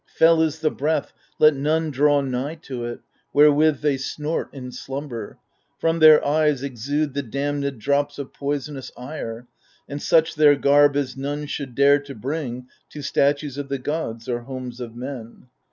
Fell is the breath — let none draw nigh to it — Wherewith they snort in slumber ; from their eyes Exude the damnM drops of poisonous ire : And such their garb as none should dare to bring To statues of the gods or homes of men.